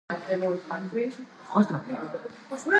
ნაწილობრივ შეცვლილია ფასადების საპირე ქვებიც.